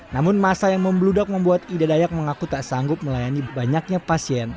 namun masa yang membludak membuat ida dayak mengaku tak sanggup melayani banyaknya pasien